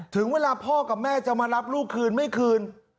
ถึงเวลาพ่อกับแม่จะมารับลูกคืนไม่คืน